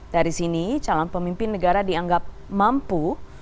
dari sini calon pemimpin negara dianggap mampu